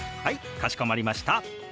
かしこまりました。